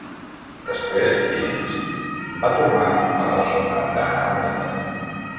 Després, Deans va tornar a la zona de Hamilton.